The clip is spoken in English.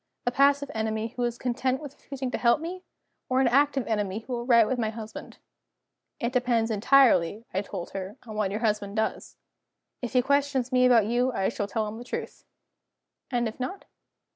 "A passive enemy who is content with refusing to help me? Or an active enemy who will write to my husband?" "It depends entirely," I told her, "on what your husband does. If he questions me about you, I shall tell him the truth." "And if not?"